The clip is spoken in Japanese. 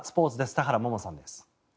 田原萌々さんです。